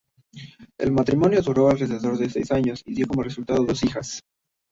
El matrimonio duró alrededor de seis años y dio como resultado dos hijas.